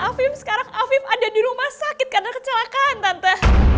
afif sekarang afif ada di rumah sakit karena kecelakaan tante